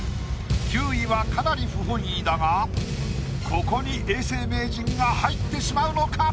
９位はかなり不本意だがここに永世名人が入ってしまうのか？